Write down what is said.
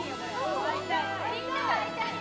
みんなが会いたいよ。